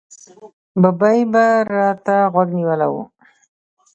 ببۍ به را ته غوږ نیولی و.